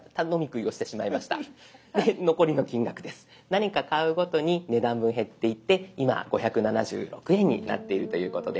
何か買うごとに値段分減っていって今５７６円になっているということです。